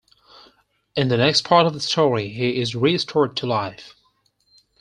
In the next part of the story he is restored to life.